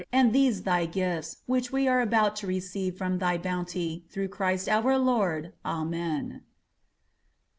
and these Thy gifts, which we are about to receive from Thy bounty, through Christ our Lord. Amen.